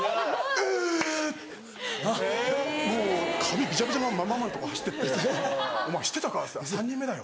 もう髪ビチャビチャのままママのとこ走ってって「お前知ってたか？」っつったら「３人目だよ」。